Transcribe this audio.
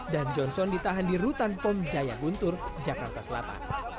dan johnson ditahan di rutan pom jaya buntur jakarta selatan